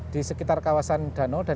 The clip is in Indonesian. di sekitar kawasan danau dan